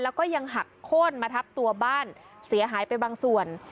แล้วก็ยังหักโค้นมาทับตัวบ้านเสียหายไปบางส่วน